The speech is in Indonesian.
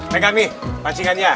tengah nih pancingannya